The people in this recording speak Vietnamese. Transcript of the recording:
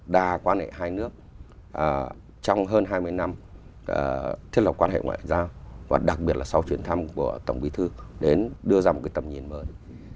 đa quan hệ hai nước trong hơn hai mươi năm thiết lập quan hệ ngoại giao và đặc biệt là sau chuyến thăm của tổng bí thư đến đưa ra một cái tầm nhìn mới